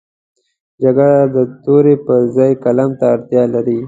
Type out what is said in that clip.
جګړه د تورې پر ځای قلم ته اړتیا لري